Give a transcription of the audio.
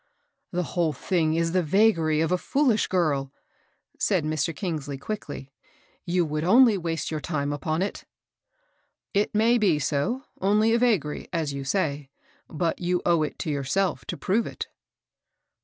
The whole thing is the vagary of a fool ish girl," said Mr. Kingsley, quickly. ..You would only waste your time upon it." " It may be so, — only a vagary, as you say ; but you owe it to yourself to prove it."